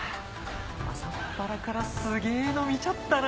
朝っぱらからすげぇの見ちゃったな！